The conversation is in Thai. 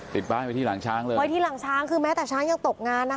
ติดบ้านไปที่หลังช้างเลยไว้ที่หลังช้างคือแม้แต่ช้างยังตกงานนะคะ